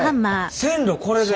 線路これで？